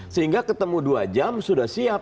sehingga ketemu dua jam sudah siap